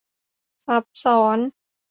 ซับซ้อน